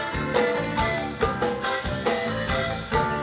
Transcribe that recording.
สุดยอดติดหน่อยว่าใครดาย